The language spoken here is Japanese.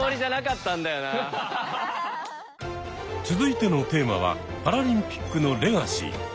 続いてのテーマはパラリンピックのレガシー。